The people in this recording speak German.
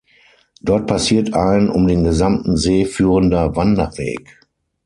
Dort passiert ein um den gesamten See führender Wanderweg.